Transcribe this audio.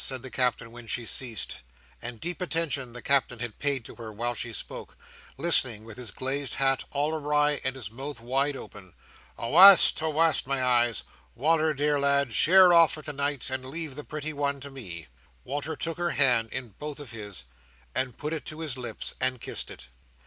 said the Captain, when she ceased; and deep attention the Captain had paid to her while she spoke; listening, with his glazed hat all awry and his mouth wide open. "Awast, awast, my eyes! Wal"r, dear lad, sheer off for tonight, and leave the pretty one to me!" Walter took her hand in both of his, and put it to his lips, and kissed it.